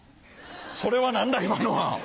それは何だ今のは。